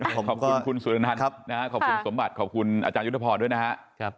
ขอบคุณคุณสุรนันทร์นะฮะขอบคุณสมบัติขอบคุณอาจารยุทธพรด้วยนะครับ